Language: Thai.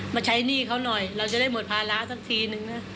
มาใช้หนี้เขาหน่อยเราจะได้หมดภาระสักทีนึงนะ